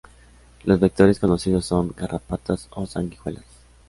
Los vectores conocidos son garrapatas o sanguijuelas.